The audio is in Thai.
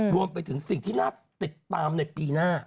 รวมไปถึงสิ่งที่น่าติดตามในปีหน้า